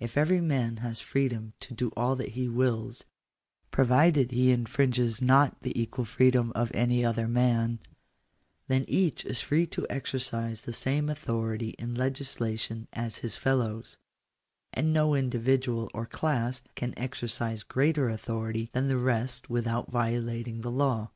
If every man has freedom to do all that he wills, provided he infringes not the equal freedom of any other man, then each is free to exercise the same authority in legislation as his fellows; and no individual or class can exercise greater authority than the rest without violating the law.